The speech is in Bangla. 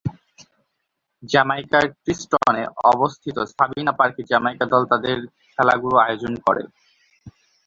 জ্যামাইকার কিংস্টনে অবস্থিত সাবিনা পার্কে জ্যামাইকা দল তাদের খেলাগুলো আয়োজন করে।